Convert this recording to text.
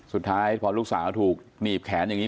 สุดท้ายพอลูกสาวถูกหนีบแขนอย่างนี้